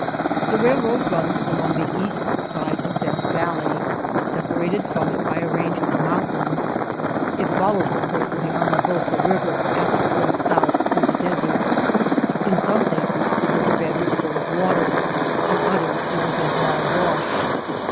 The railroad runs along the east side of Death Valley, separated from it by a range of moun tains. It follows the course of the Armagosa River as it flows south through the desert. In some places the river bed was full of water, in others it was a dry wash.